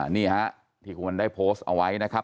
นี่ฮะที่คุณวันได้โพสต์เอาไว้นะครับ